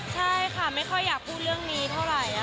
ใช่ค่ะไม่ค่อยอยากพูดเรื่องนี้เท่าไหร่